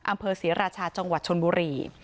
อำเภอศรีราชาจังหวัดชนบุรี